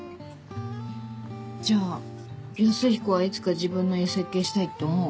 じゃあ康彦はいつか自分の家設計したいって思う？